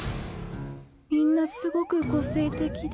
みんなすごく個性的で。